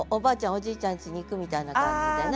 おじいちゃんちに行くみたいな感じでね。